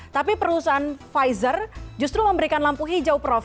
tapi perusahaan pfizer justru memberikan lampu hijau prof